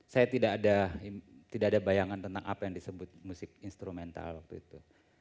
saya tidak ada bayangan tentang apa yang disebut musik instrumental waktu itu